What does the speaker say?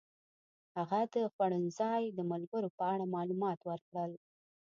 هغه د خوړنځای د ملګرو په اړه معلومات ورکړل.